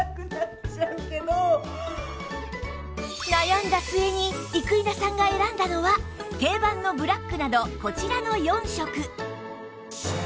悩んだ末に生稲さんが選んだのは定番のブラックなどこちらの４色